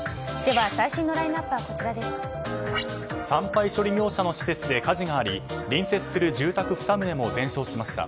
廃棄処理業者の施設で火事があり隣接する住宅２棟も全焼しました。